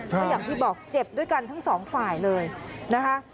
เพราะอย่างที่บอกเจ็บด้วยกันทั้งสองฝ่ายเลยนะคะ